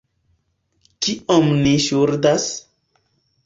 Kiom ni ŝuldas?